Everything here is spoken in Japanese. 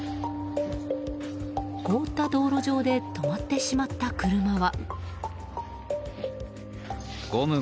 凍った道路上で止まってしまった車は。